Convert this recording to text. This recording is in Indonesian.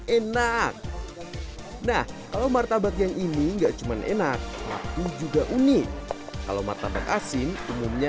enak nah kalau martabak yang ini enggak cuman enak tapi juga unik kalau martabak asin umumnya